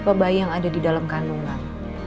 babay yang ada di dalam kandungan